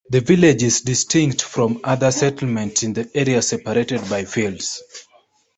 The village is distinct from other settlements in the area, separated by fields.